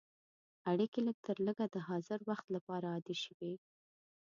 اړیکې لږترلږه د حاضر وخت لپاره عادي شوې.